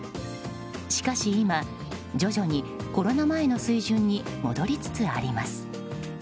しかし今、徐々にコロナ前の水準に戻りつつあります。